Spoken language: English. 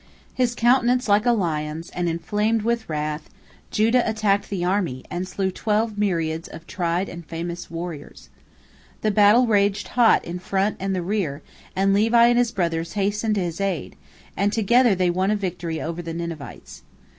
His countenance like a lion's and inflamed with wrath, Judah attacked the army, and slew twelve myriads of tried and famous warriors. The battle raged hot in front and in the rear, and Levi his brother hastened to his aid, and together they won a victory over the Ninevites.